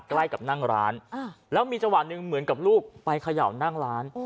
ใกล้กับนั่งร้านแล้วมีจังหวะหนึ่งเหมือนกับลูกไปเขย่านั่งร้าน